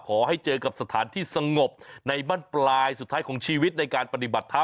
ขอให้เจอกับสถานที่สงบในบ้านปลายสุดท้ายของชีวิตในการปฏิบัติธรรม